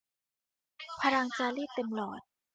พลังจารีตเต็มหลอด